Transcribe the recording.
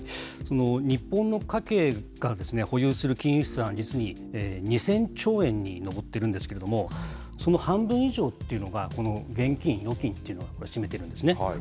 日本の家計が保有する金融資産は、実に２０００兆円に上ってるんですけれども、その半分以上っていうのが、現金・預金というのを占めてるんですね。